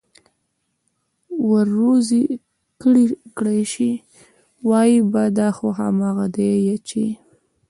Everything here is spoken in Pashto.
ور روزي كړى شي، وايي به: دا خو همغه دي چې: